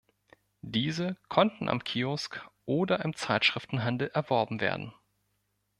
Diese konnten am Kiosk oder im Zeitschriftenhandel erworben werden.